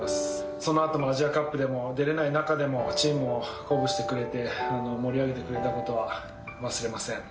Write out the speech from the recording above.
そのあともアジアカップでも出れない中でもチームを鼓舞してくれて、盛り上げてくれたことは忘れません。